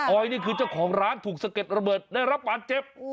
อยนี่คือเจ้าของร้านถูกสะเก็ดระเบิดได้รับบาดเจ็บ